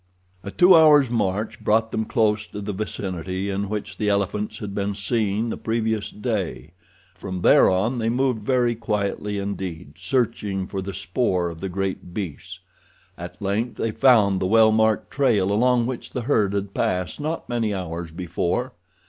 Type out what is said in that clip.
A two hours' march brought them close to the vicinity in which the elephants had been seen the previous day. From there on they moved very quietly indeed searching for the spoor of the great beasts. At length they found the well marked trail along which the herd had passed not many hours before.